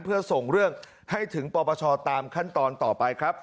เพื่อส่งเรื่องให้ถึงปปชตามขั้นตอนต่อไปครับ